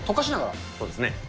そうですね。